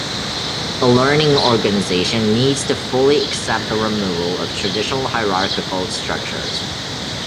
A learning organization needs to fully accept the removal of traditional hierarchical structures.